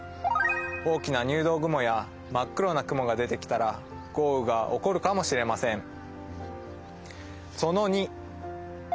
大きな入道雲や真っ黒な雲が出てきたら豪雨が起こるかもしれません。